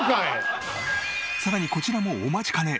さらにこちらもお待ちかね。